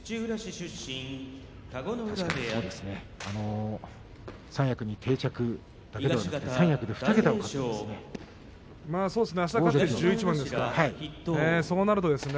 確かに三役に定着だけではなく三役で２桁勝ちたいですね。